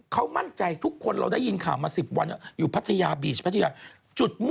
เขาเลยเรียกว่าเป็นพัทยาบีช